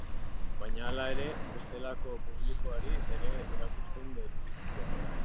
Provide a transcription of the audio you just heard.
Baina hala ere, bestelako publikoari ere erakusten dizkio.